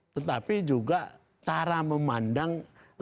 tetapi juga cara memandang